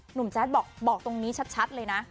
แจ๊ดบอกตรงนี้ชัดเลยนะ